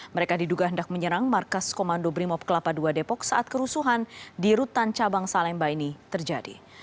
mereka diduga hendak menyerang markas komando brimob kelapa ii depok saat kerusuhan di rutan cabang salemba ini terjadi